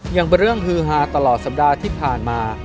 ยังเป็นเรื่องฮือฮาตลอดสัปดาห์ที่ผ่านมา